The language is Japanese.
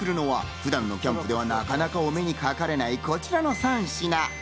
今回、作るのは普段のキャンプではなかなかお目にかかれない、こちらの３品。